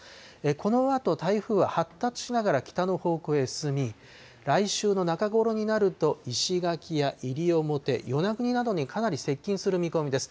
このあと台風は発達しながら北の方向へ進み、来週の中ごろになると、石垣や西表、与那国などにかなり接近する見込みです。